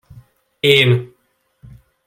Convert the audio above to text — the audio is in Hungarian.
Én!